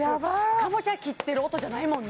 カボチャ切ってる音じゃないもんね